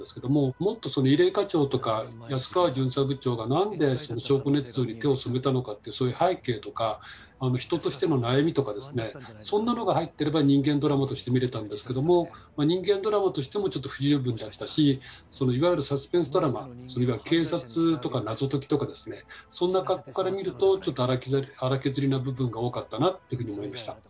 もっと入江課長とか安川巡査部長がなんで証拠ねつ造に手を染めたのかってそういう背景とか人としての悩みとかですねそんなのが入ってれば人間ドラマとして見られたんですけども人間ドラマとしてもちょっと不十分だったしいわゆるサスペンスドラマ警察とか謎解きとかですねそんな格好から見るとちょっと粗削りな部分が多かったなっていうふうに思いました。